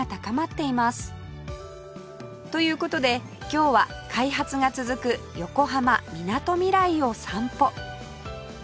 という事で今日は開発が続く横浜みなとみらいを散歩